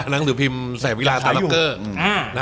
นังสือพิมพ์แสวิลาตาลับเกอร์